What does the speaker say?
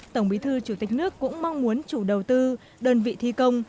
tổng bí thư chủ tịch nước cũng mong muốn chủ đầu tư đơn vị thi công